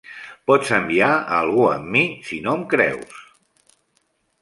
Pots enviar a algú amb mi si no em creus!